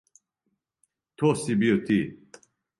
То си био ти!